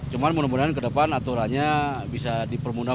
cuma menurut saya ke depan aturannya bisa dipermudah